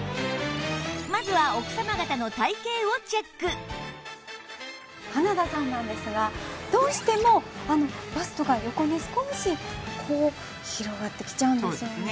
まずは花田さんなんですがどうしてもバストが横に少しこう広がってきちゃうんですよね。